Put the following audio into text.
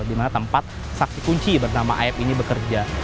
di mana tempat saksi kunci bernama aib ini bekerja